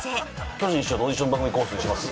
巨人師匠のオーディション番組コースにします？